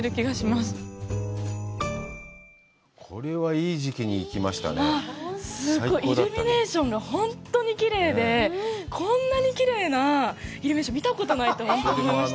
すごい、イルミネーションが本当にきれいで、こんなにきれいなイルミネーション、見たことないと思いました。